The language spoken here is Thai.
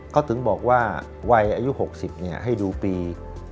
เขาถึงบอกว่าวัยอายุ๖๐ให้ดูปี